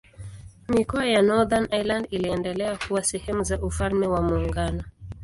Mikoa ya Northern Ireland iliendelea kuwa sehemu za Ufalme wa Muungano.